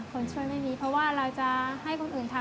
คนช่วยไม่มีเพราะว่าเราจะให้คนอื่นทำ